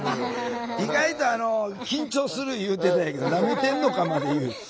意外とあの「緊張する」言うてたんやけど「なめてんのか」まで言う。